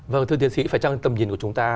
vâng thưa tiến sĩ phải chăng tầm nhìn của chúng ta